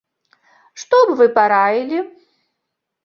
Што б вы параілі?